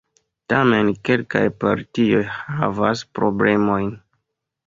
Tamen kelkaj partioj havas problemojn.